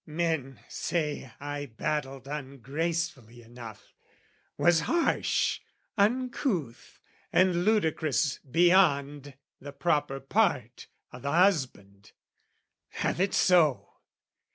Men say I battled ungracefully enough Was harsh, uncouth and ludicrous beyond The proper part o' the husband: have it so!